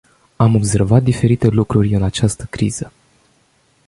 Am observat diferite lucruri în această criză.